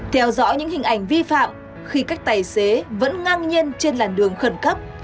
theo dõi những hình ảnh vi phạm khi các tài xế vẫn ngang nhiên trên làn đường khẩn cấp